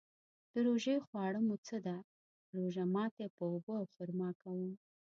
د روژې خواړه مو څه ده؟ روژه ماتی په اوبو او خرما کوم